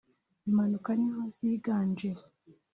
impanuka niho ziganje